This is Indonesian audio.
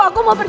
aku mau pergi